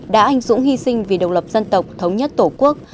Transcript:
đã anh dũng hy sinh vì độc lập dân tộc thống nhất tổ quốc